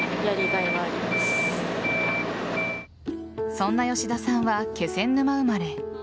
そんな吉田さんは気仙沼生まれ。